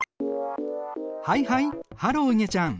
はいはいハローいげちゃん。